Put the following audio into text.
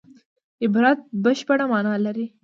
عبارت بشپړه مانا نه لري.